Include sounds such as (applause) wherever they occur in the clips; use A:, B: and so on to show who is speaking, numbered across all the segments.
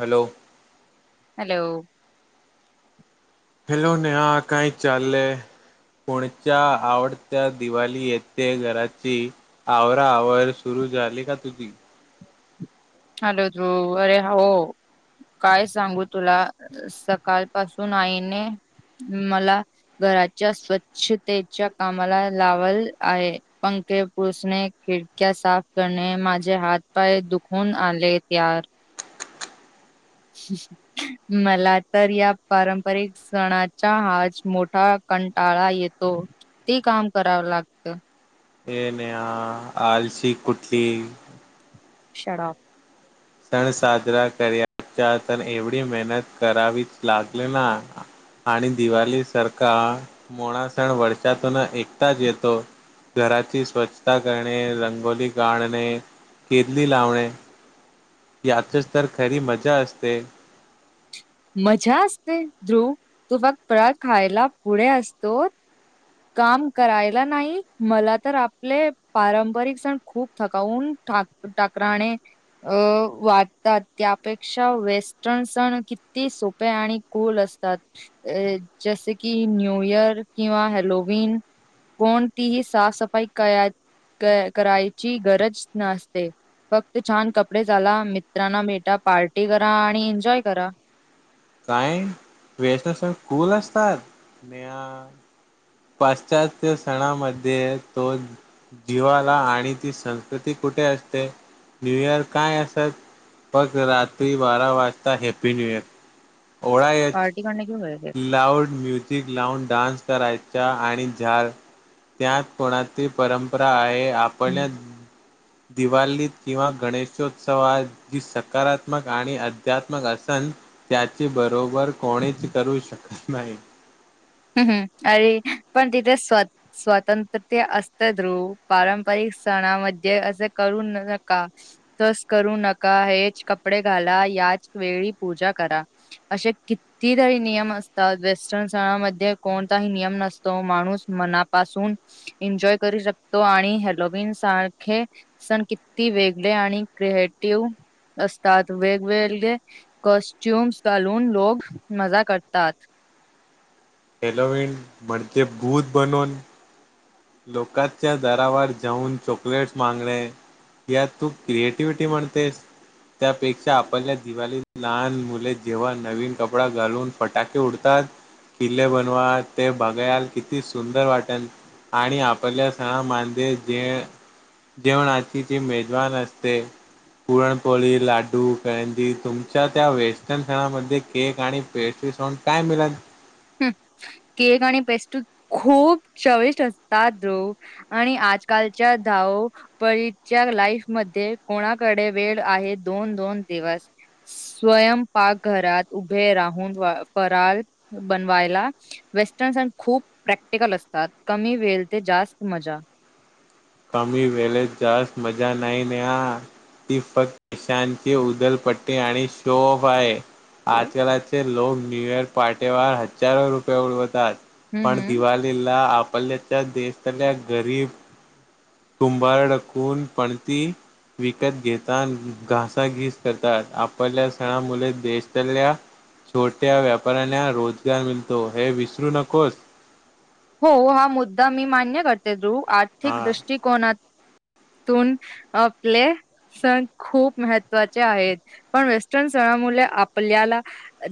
A: Hello
B: hello
A: फेलून हा काही चाल पुणच्या आवडत्या दिवाळी येथे घराची आवरा आवर सुरू झाली का तुझी
B: हॅलो तू अरे हो काय सांगू तुला सकाळ पासून आईने मला घराच्या स्वच्छतेच्या कामाला लावाल आहे पंखे पुसणे खिडक्या साफ करणे माझे हात पाय दुख होन आले त्यार मला तर या पारंपरिक सणाचा हात मोठा कंटाळा येतो ते काम करावं लागत
A: ये नेहा आलसी कुठली
B: शटाप
A: सण साजरा करायचा तर एवढी मेहनत करावीच लागले ना आणि दिवाळीसारखा मोळा सण वर्षातून एकटच येतो घराची स्वच्छता करणे रंगोली काढणे केदली लावणे यात्रेस तर खरी मजा असते
B: मजा असते ध्रुव तू फक् परत खायला पुढे असतो काम करायला नाही मला तर आपले पारंपरिक सण खूप थकावून ठा ठाकरराने अ वाटतात त्यापेक्षा वेस्टर्न सण किती सोपे आणि कूल असतात जसे की न्यू इअर किंवा हॅलो कोणतीही साफसफाई कयत करायची गरज नसते फक्त छान कपडे ला मित्रांना भेटा पार्टी करा आणि एन्जॉय करा
A: काय वेसनास कुल असतात न पाश्चात्य सणामध्ये तो जीवाला आणि ती संस्कृती कुठे असते न्यू इयर काय असत फक् रात्री बारा वाजता हॅप्पी न्यू इयर ओळा यच
B: क क् होर
A: लाऊड म्युझिक लाउड डान्स करायचा आणि झा त्यात कोणाची परंपरा आहे
B: है?
A: आपल्या दिवालीत किंवा गणेशोत्सव आज जी सकारात्मक आणि अध्यात्मक असन त्याचे बरोबर कोणीच करू शकत नाही
B: ह् अरे पण तिथे स्वत स्वतंत्रते असत ध्रुव पारंपरिक सणामध्ये असं करू नका तस करू नका हेच कपडे घाला याच वेळी पूजा करा असे किती तरी नियम असतात वेस्टर्न सणामध्ये कोणताही नियम नसतो माणूस मनापासून एन्जॉय करू शकतो आणि हेलोबीन सारखे सण किती वेगळे आणि क्रिएटिव्ह असतात वेगवेगळे कॉस्ट्युम्स घालून लोग मजा करतात
A: एलवेंट म्हणज भूत बनवून लोकांच्या दरावर जाऊन चॉकलेट्स मागणे यात तू क्रिएटिव्हटी म्हणतेस त्यापेक्षा आपल्या दिवाळीत लहान मुले जेव्हा नवीन कपडा घालून फटाके उडतात किल्ले बनवा ते बघायला किती सुंदर वाटेल आणि आपल्या सण मांदे जेण जेवणा आची जी मेजवान असते पुरणपोळी लाडू कळंदी तुमच्या त्या वेस्टर्न सणामध्ये केक आणि पेस्ट्री सोन काय मिला
B: हम् केक आणि पेस्ट्री खूप चविष्ट असतात रो आणि आजकालच्या धाव परीच्या लाईफ मध्ये कोणाकडे वेळ आहे दोन दोन दिवस स्वयं पाकघरात उभे राहून पळ बनवायला वेस्टर्न सन खूप प्रॅक्टिकल असतात कमी वेळ ते जास्त मजा
A: कमी वेळेत जास्त मजा नाही न ती फक्त कशानची उदलपट्टी आणि शोफ आहे
B: ओ
A: आजकालाचे लोक न्यू इयर पार्टीवर हजारो रुपये उडवतात
B: हम्म
A: पण
B: हम्म
A: दिवाळीला आपल्याच्या देशातल्या गरीब कुंभार डाकून पणती विकत घेता घासाघीस करतात आपल्या सणा मुले देशातल्या छोट्या व्यापाऱ्यांना रोजगार मिळतो हे विसरू नकोस
B: हो हा मुद्दा मी मान्य करते ु आर्थिक
A: हा
B: दृष्टिकोनात ून आपले सण खूप महत्त्वाचे आहेत पण वेस्टर्न सणामुळे आपल्याला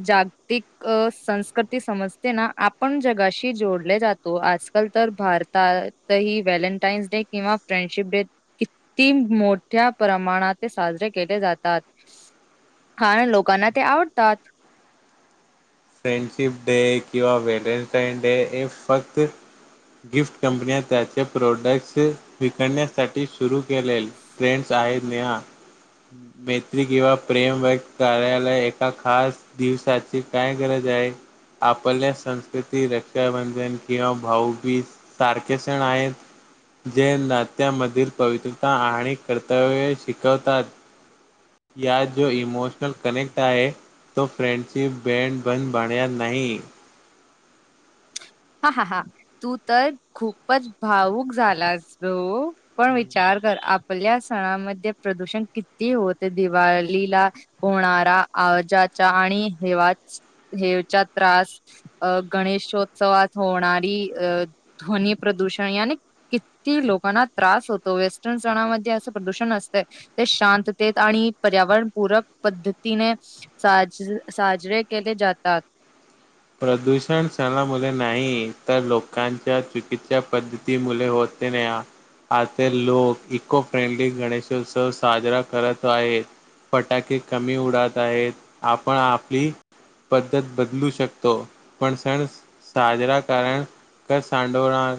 B: जागतिक संस्कृती समजते ना आपण जगाशी जोडले जात त आजकाल तर भारतातही व्हॅलेंटाईन्स डे किंवा फ्रेंडशिप डे किती मोठ्या प्रमाणात ते साजरे केले जातात हा लोकांना ते आवडतात
A: फ्रेंडशिप डे किंवा व्हलेंटाईन डे हे फक्त गिफ्ट कंपन्या त्याचे प्रोडक्ट्स विकण्यासाठी सुरू केलेल ट्रेंड्स आहेत नेहा मैत्री किंवा प्रेम वग कार्यालय एका खास दिवसाची काय गरज आहे आपल्या संस्कृती रक्षाबंधन किंवा भाऊबीज सारखे सण आहेत जे नात्यामधील पवित्रता आणि कर्तव्य शिकवतात या जो इमोशनल कनेक्ट आहे तो फ्रेंडशिप बँड बंद बड्या नाही
B: हा हा हा तू तर खूपच भाऊुक झालास ग पण विचार कर आपल्या सणामध्ये प्रदूषण किती होत दिवाळीला होणारा आवाजाचा आणि हेवा्हाच हेवचा त्रास अ गणेशोत्सवात होणारी अ ध्वनी प्रदूषण या किती लोकांना त्रास होतो वेस्टर्न सणामध्ये असं प्रदूषण असतं ते शांततेत आणि पर्यावरणपूरक पद्धतीने साज साजरे केले जातात
A: प्रदूषण सणामुळे नाही तर लोकांच्या चुकीच्या पद्धती मु होत तन आ लोक इको फ्रेंडली गणेशोत्सव साजरा करत आहेत फटाके कमी उडत आहेत आपण आपली पद्धत बदलू शकतो तो पण सण साजरा करण क सांडवणार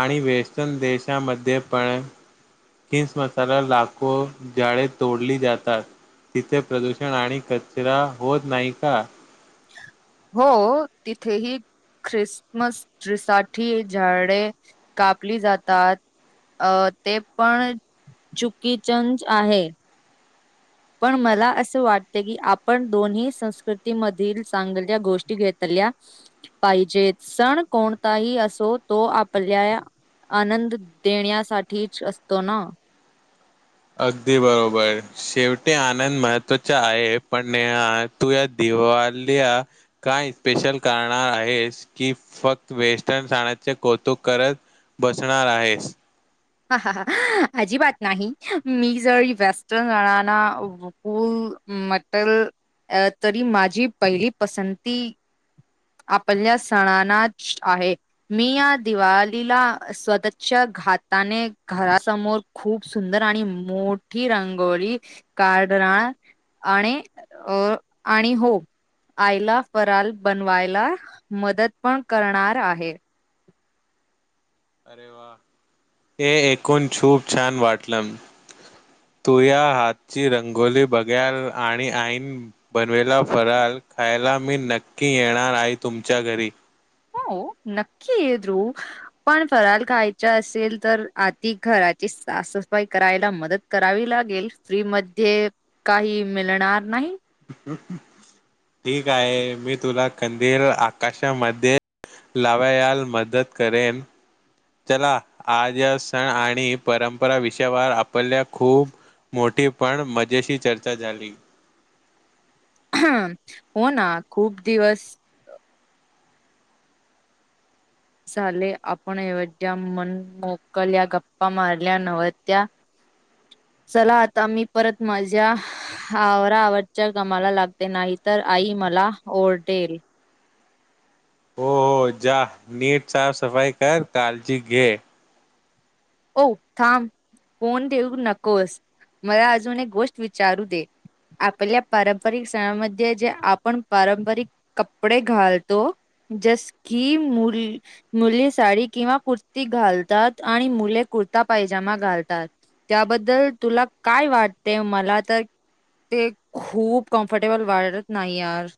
A: आणि वेस्टन देशामध्ये पण खिस मसाला लाखो जाळे तोडली जातात तिथे प्रदूषण आणि कचरा होत नाही का
B: हो तिथेही ख्रिसमस तिसाठी झाडे कापली जातात अ ते पण चुकीचंच आहे पण मला असं वाटत की आपण दोन्ही संस्कृतीमधील चांगल्या गोष्टी घेतल्या पाहिजेत सण कोणताही असो तो आपल्या आनंद देण्यासाठीच असतो ना
A: अगदी बरोबर शेवटी आनंद महत्त्वाचा आहे पण नेह तू या दिवालीया काय स्पेशल करणार आहेस की फक्त वेस्टर्न सााण्याचे कौतुक करत बसणार आहेस
B: ह ह अजिबात नाही मी जर वेस्टर्न जणारना कुल म्हटल अ तरी माझी पहिली पसंती आपल्या सणाांनाच आहे मी या दिवालीला स्वतच्या घात त्याने घरासमोर खूप सुंदर आणि मोठी रंगोली कारड राळ आणि अ आणि हो आयला फराल बनवायला मदत पण करणार आहे
A: अरे वा हे ऐूण छूप छान वाटलं तु या हातची रंगोली बघाल आणि आईन बनवेला फराल खायला मी नक्की येणार आई तुमच्या घरी
B: हो नक्कीी एक्रू पण फराल खायचा असेल तर आधी घराची साफसफाई करायला मदत करावी लागेल फ्री म काही मिळणार नाही
A: ठीक आहे मी तुला कंदेल आकाशामध्ये लावायाल मदत करेन. चला आज सण आणि परंपरा विषयावर आपल्या खूप मोठी पण मजेशी चर्चा झाली.
B: हो ना खूप दिवस झाले आपण एवढ्या मन मोकल्या गप्पा मारल्या नव्हत्या.
A: (inaudible)
B: चला आता मी परत माझ्या आवरा (unintelligible) गमाला लागते नाही तर आई मला ओरडेल
A: हो हो जा नीट साफसफाई कर काळजी घे.
B: ओ थांब फोन देऊ नकोस मला अजून एक गोष्ट विचारू दे. आपल्या पारंपरिक सणामध्ये जे आपण पारंपरिक कपडे घालतो. जस की मु मुली साडी किंवा कुर्ती घालतात आणि मुले कुर्ता पैजामा घालतात त्याबद्दल तुला काय वाटते? मला तर ते खूप कम्फर्टेबल वाढत नाही यार.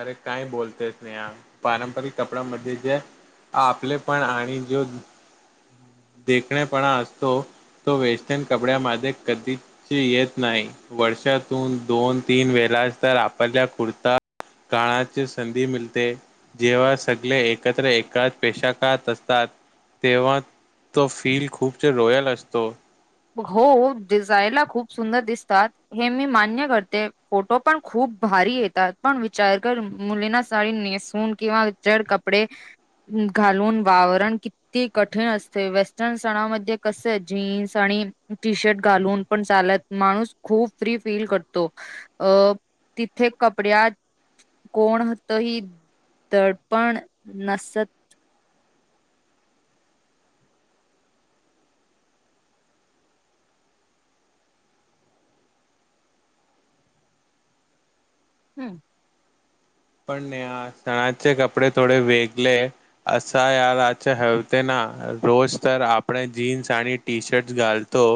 A: अरे काय बोलते स्नेहा पारंपरिक कपड्यांमध्ये जे आपले पण आणि जो देखणेपणा असतो. तो वेस्टर्न कपड्यामध्ये कधीच ती येत नाही वर्षातून दोन तीन वेला तर आपरल्या कुर्ता काळाची संधी मिलते. जेव्हा सगळे एकत्र एकात पेशा (unintelligible) असतात. तेव्हा तो फील खूपच रॉयल असतो.
B: हो हो दिजायला खूप सुंदर दिसतात. हे मी मान्य करते फोटो पण खूप भारी येतात पण विचार कर मुलीना साडी नेस (unintelligible) किंवा जर कपडे घालून वावरण किती कठीण असते. वेस्टर्न सणामध्ये कस आहे जीन्स आणि टी शर्ट घालून पण चालत माणूस खूप फ्री फील करतो. अ तिथे कपड्यात कोण होत ही दडपण नसत. हम्म.
A: पण नेहा सणाचे कपडे थोडे वेगले असा याराच्या हवते ना रोज तर आपण जीन्स आणि टी शर्ट घालतो.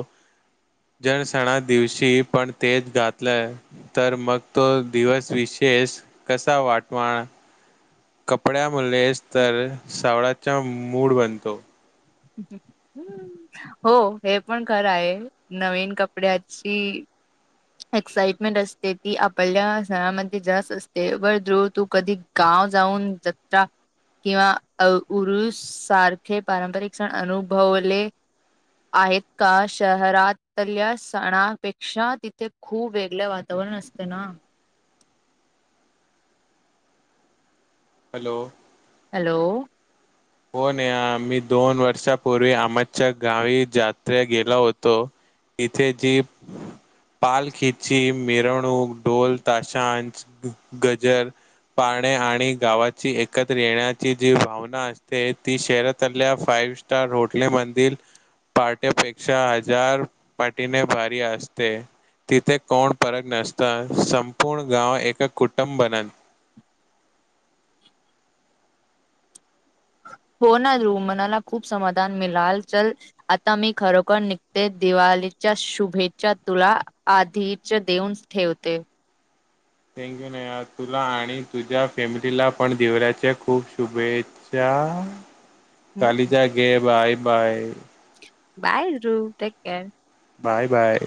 A: जर सणा दिवशी पण तेच घातलंय तर मग तो दिवस विशेष कसा वाटवा? कपड्या मुलेस तर सावळाचा मूड बनतो.
B: हम्म, हम्म. हो हे पण खरं आहे. नवीन कपड्याची एक्साइटमेंट असते ती आपल्याल्या सणामध्ये जास्त असते वर (unintelligible) कधी गाव जाऊन जत्रा किंवा उरूस सारखे पारंपरिक सन अनुभवले. आहेत का? शहरातल्या सणापेक्षा तिथे खूप वेगळ वातावरण असतें ना?
A: हॅलो.
B: हॅलो.
A: हो नेहा मी दोन वर्षापूर्वी आमच्या गावी जत्रा गेलो होतो. इथे जी पालखिची मिरवणूक ढोल, ताशांच गजर पाळणे आणि गावाची एकत्र येण्याची जी भावना अस ते ती शहरातल्या फाईव स्टार होटलेमधील पार्ट्यापेक्षा हजार पटीने भारी असते. तिथे कोण परक नसता संपूर्ण गाव एक कुटुंब बनत.
B: (unintelligible) हो ना रु मनाला खूप समाधान मिळाल चल. आता मी खरोखर निघते दिवाळीच्या शुभेच्छा तुला आधीच देऊन ठेवते.
A: थँक्यू नया तुला आणि तुझ्या फॅमिलीला पण दिवऱ्याचे खूप शुभेच्छा. कालिज
B: हम्म
A: घे बाय बाय.
B: बायू त्याक
A: बाय बाय.